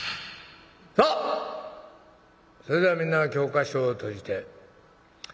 「さあそれではみんな教科書を閉じて。